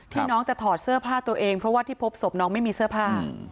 น้องจะถอดเสื้อผ้าตัวเองเพราะว่าที่พบศพน้องไม่มีเสื้อผ้า